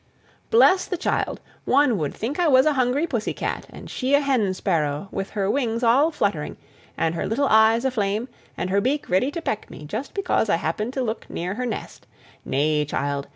"Bless the child! one 'ud think I was a hungry pussy cat, and she a hen sparrow, with her wings all fluttering, and her little eyes aflame, and her beak ready to peck me just because I happened to look near her nest. Nay, child!